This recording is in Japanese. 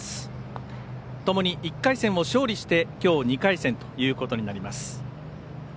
ともに１回戦を勝利してきょう２回戦ということになります。